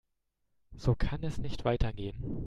So kann es nicht weitergehen.